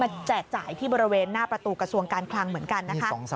แจกจ่ายที่บริเวณหน้าประตูกระทรวงการคลังเหมือนกันนะคะ